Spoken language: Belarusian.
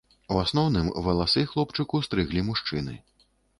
У асноўным валасы хлопчыку стрыглі мужчыны.